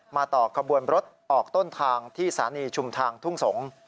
ต่อขบวนรถออกต้นทางที่สถานีชุมทางทุ่งสงศ์